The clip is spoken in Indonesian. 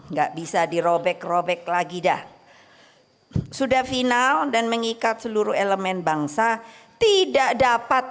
nggak bisa dirobek robek lagi dah sudah final dan mengikat seluruh elemen bangsa tidak dapat